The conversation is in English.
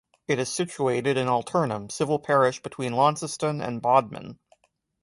It is situated in Altarnun civil parish between Launceston and Bodmin.